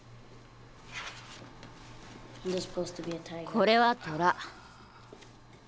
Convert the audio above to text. これはトラ。